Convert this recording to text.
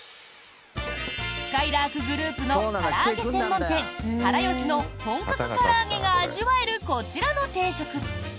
すかいらーくグループのから揚げ専門店、から好しの本格から揚げが味わえるこちらの定食。